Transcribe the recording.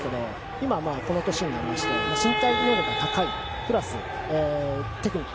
今、この歳になりまして身体能力が高いプラステクニック。